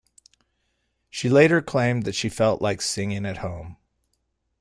She later claimed that she felt like singing at home.